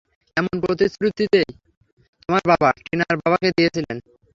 এমন প্রতিশ্রুতিই তোমার বাবা, টিনার বাবাকে দিয়েছিলেন।